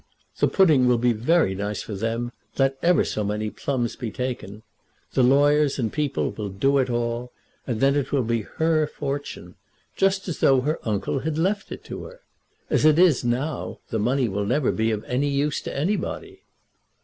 The pudding will be very nice for them let ever so many plums be taken. The lawyers and people will do it all, and then it will be her fortune, just as though her uncle had left it to her. As it is now, the money will never be of any use to anybody."